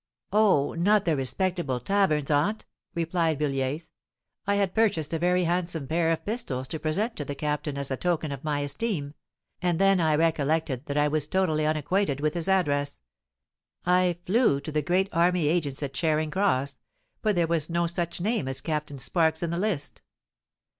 "Oh! not the respectable taverns, aunt," replied Villiers. "I had purchased a very handsome pair of pistols to present to the Captain as a token of my esteem; and then I recollected that I was totally unacquainted with his address. I flew to the great army agents at Charing Cross; but there was no such name as Captain Sparks in the List.